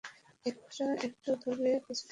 এটা একটু ধরবে কিছু সময়ের জন্য?